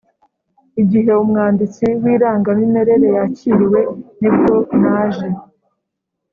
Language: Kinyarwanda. igihe umwanditsi w irangamimerere yakiriwe nibwo naje